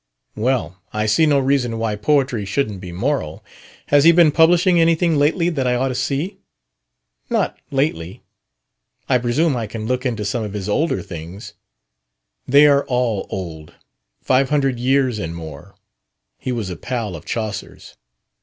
"Well, I see no reason why poetry shouldn't be moral. Has he been publishing anything lately that I ought to see?" "Not lately." "I presume I can look into some of his older things." "They are all old five hundred years and more. He was a pal of Chaucer's."